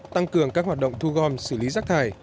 tăng cường các hoạt động thu gom xử lý rác thải